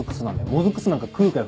もずく酢なんか食うかよ